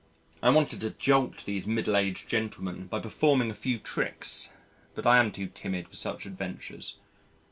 I wanted to jolt these middle aged gentlemen by performing a few tricks but I am too timid for such adventures.